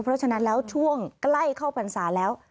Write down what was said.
เพราะฉะนั้นแล้วช่วงใกล้เข้าพรรษาแล้ว